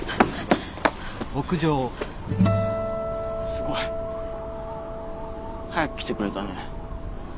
すごい早く来てくれたね。